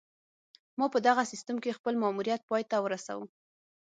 ما په دغه سیستم کې خپل ماموریت پای ته ورسوو